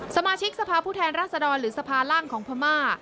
สมาชิกสภาพผู้แทนรัศดรหรือสภาล่างของพม่า